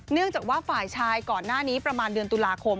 เนื่องจากว่าฝ่ายชายก่อนหน้านี้ประมาณเดือนตุลาคม